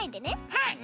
はい！